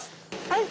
はい！